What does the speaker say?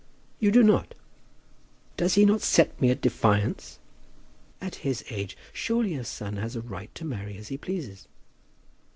"You do not? Does he not set me at defiance?" "At his age surely a son has a right to marry as he pleases."